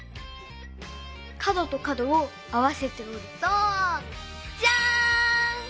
かどとかどをあわせておるとジャーン！